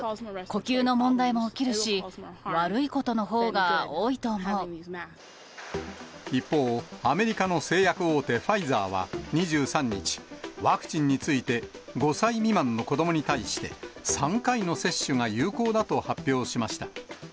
呼吸の問題も起きるし、一方、アメリカの製薬大手、ファイザーは２３日、ワクチンについて、５歳未満の子どもに対して、３回の接種が有効だと発表しました。